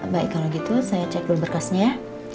baik kalau gitu saya cek dulu berkasnya